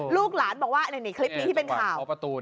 ลูกหลานบอกว่านี่คลิปนี้ที่เป็นข่าว